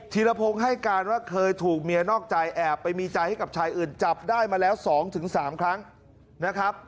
ธีรพงศ์ให้การว่าเคยถูกเมียนอกใจแอบไปมีใจให้กับชายอื่นจับได้มาแล้ว๒๓ครั้งนะครับ